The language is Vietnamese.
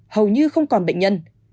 hầu như không còn bệnh nhân